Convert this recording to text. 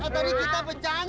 tadi kita bercanda